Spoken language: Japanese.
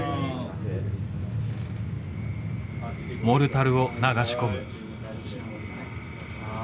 モルタルを流し込む。